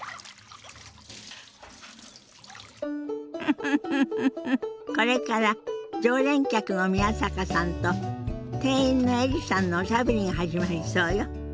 フフフフこれから常連客の宮坂さんと店員のエリさんのおしゃべりが始まりそうよ。